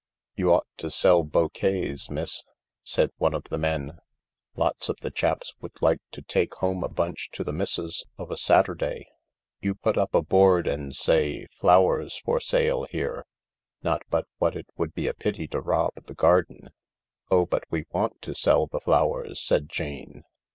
" You ought to sell bokays, miss," said one of the men. " Lots of the chaps would like to take home a bunch to the missus of a Saturday. You put up a board and say, ' Flowers for sale here.' Not but what it would be a pity to rob the garden." " Oh, but we want to sell the flowers," said Jane.